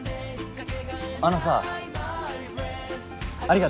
あのさありがとう。